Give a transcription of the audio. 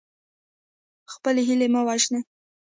خپلې هیلې مه وژنئ.